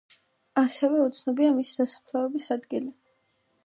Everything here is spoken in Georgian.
ასევე უცნობია მისი დასაფლავების ადგილი.